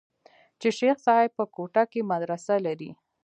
چې شيخ صاحب په کوټه کښې مدرسه لري.